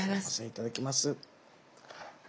いただきます。